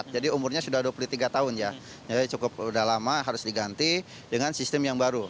jadi umurnya sudah dua puluh tiga tahun ya jadi cukup sudah lama harus diganti dengan sistem yang baru